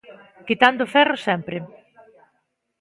Quitando ferro sempre.